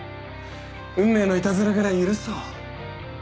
運命のいたずらぐらい許そう。